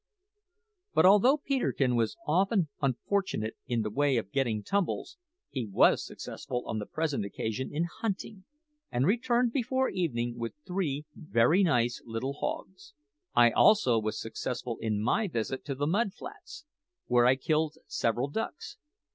But although Peterkin was often unfortunate in the way of getting tumbles, he was successful on the present occasion in hunting, and returned before evening with three very nice little hogs. I also was successful in my visit to the mud flats, where I killed several ducks.